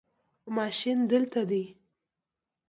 ماشین دلته دی